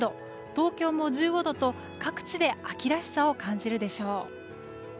東京も１５度と、各地で秋らしさを感じるでしょう。